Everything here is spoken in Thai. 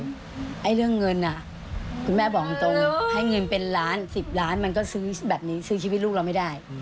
เรื่องเงินคุณแม่บอกตรงให้เงินเป็นล้าน๑๐ล้านมันก็ซื้อแบบนี้ซื้อชีวิตลูกเราไม่ได้